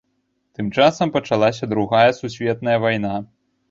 Тым часам пачалася другая сусветная вайна.